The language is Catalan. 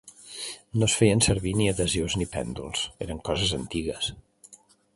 No es feien servir ni adhesius ni pèndols, eren coses antigues.